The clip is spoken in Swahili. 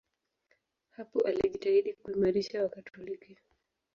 Hapo alijitahidi kuimarisha Wakatoliki.